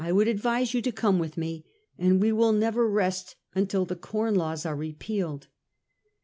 345 •would advise you to come with me, and we will never rest until the Com Laws are repealed.